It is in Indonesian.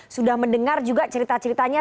sudah mendengar juga cerita ceritanya